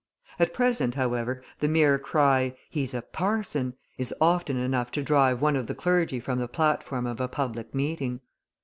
At present, however, the mere cry: "He's a parson!" is often enough to drive one of the clergy from the platform of a public meeting.